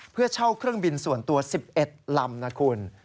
เพื่อเช่าเครื่องบินส่วนตัว๑๑ลำนะคุณ